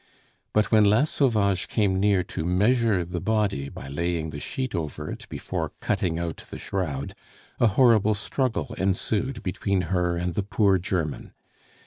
But when La Sauvage came near to measure the body by laying the sheet over it, before cutting out the shroud, a horrible struggle ensued between her and the poor German.